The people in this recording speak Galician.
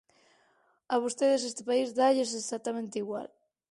A vostedes este país dálles exactamente igual.